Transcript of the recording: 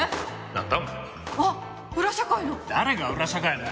誰が裏社会だよ！